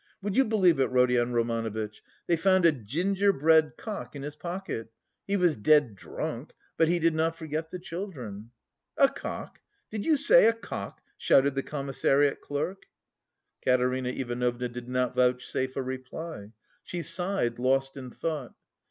Would you believe it, Rodion Romanovitch, they found a gingerbread cock in his pocket; he was dead drunk, but he did not forget the children!" "A cock? Did you say a cock?" shouted the commissariat clerk. Katerina Ivanovna did not vouchsafe a reply. She sighed, lost in thought.